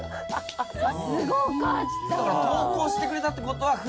投稿してくれたってことは。